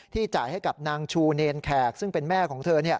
จ่ายให้กับนางชูเนรแขกซึ่งเป็นแม่ของเธอ